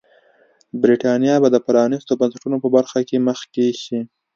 برېټانیا به د پرانیستو بنسټونو په برخه کې مخکې شي.